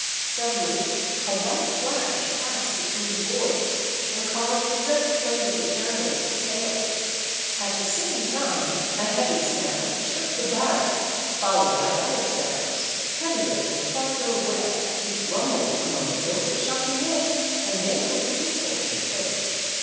Suddenly a white flash passed between the boards, and caused the red flame of the candles to pale. At the same time a heavy sound shook the barrack, followed by other sounds, heavier and farther away, which rumbled among the hills of Champigny, and then grew fitful and faint.